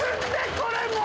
これもう。